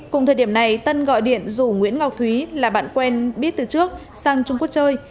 cùng thời điểm này tân gọi điện rủ nguyễn ngọc thúy là bạn quen biết từ trước sang trung quốc chơi